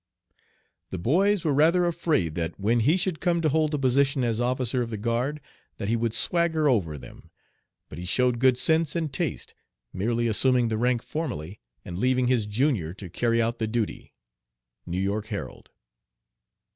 "The boys were rather afraid that when he should come to hold the position as officer of the guard that he would swagger over them; but he showed good sense and taste, merely assuming the rank formally and leaving his junior to carry out the duty." New York Herald.